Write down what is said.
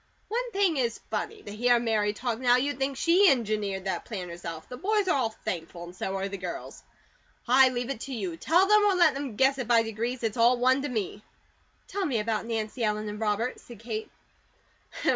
One thing is funny. To hear Mary talk now, you'd think she engineered that plan herself. The boys are all thankful, and so are the girls. I leave it to you. Tell them or let them guess it by degrees, it's all one to me." "Tell me about Nancy Ellen and Robert," said Kate.